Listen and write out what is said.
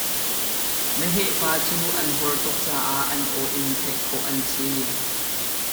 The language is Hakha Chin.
Meheh pa cu an hur tuk caah an aw in theih khawh an si.